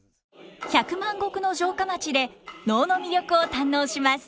百万石の城下町で能の魅力を堪能します。